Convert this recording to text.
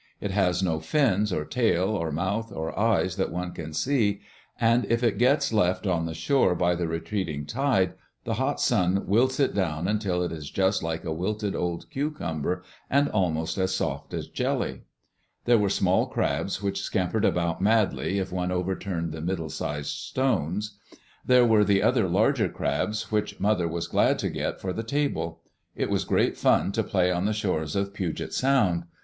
It has no fins or tail or mouth or eyes that one can see ; and if it gets left on Digitized by CjOOQ IC EARLY DAYS IN OLD OREGON the shore by the retreating tide the hot sun wilts it down until it is just like a wilted old cucumber, and almost as soft as jelly. There were small crabs which scampered about madly if one overturned the middle sized stones. There were the other larger crabs which mother was glad to get for the table. It was great fun to play on the shores of Puget Sound.